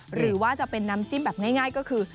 หรือว่าจะเป็นน้ำจิ้มแบบง่ายก็คือ